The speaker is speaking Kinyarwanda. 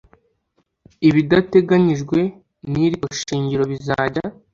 ibidateganyijwe n iri tegeko shingiro bizajya